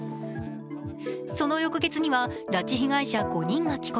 その翌月には、拉致被害者５人が帰国。